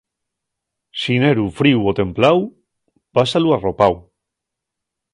Xineru fríu o templáu, pásalu arropáu.